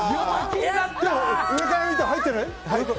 上から見たら入ってる？